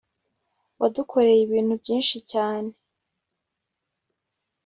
wadukoreye ibintu byinshi cyane